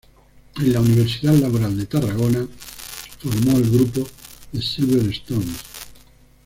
En la Universidad Laboral de Tarragona formó el grupo "The Silver Stones".